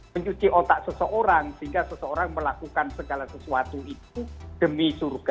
mencuci otak seseorang sehingga seseorang melakukan segala sesuatu itu demi surga